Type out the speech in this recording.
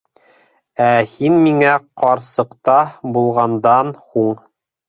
Ә һин миңә ҡарсыҡта булғандан һуң...